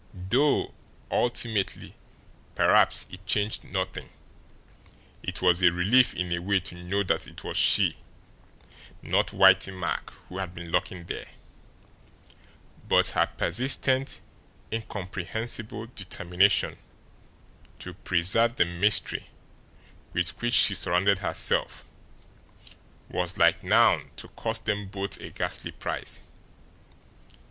Though ultimately, perhaps, it changed nothing, it was a relief in a way to know that it was she, not Whitey Mack, who had been lurking there; but her persistent, incomprehensible determination to preserve the mystery with which she surrounded herself was like now to cost them both a ghastly price.